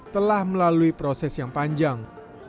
telah melalui timnas ini mencapai keuntungan